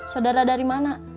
sodara dari mana